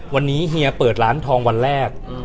วันนี้เฮียเปิดร้านทองวันแรก